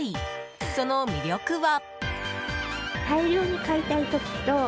その魅力は。